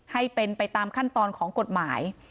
ให้เป็นไปตามขั้นตอนของกฎหมาย